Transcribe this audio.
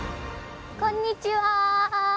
こんにちは。